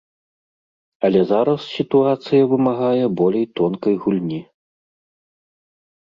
Але зараз сітуацыя вымагае болей тонкай гульні.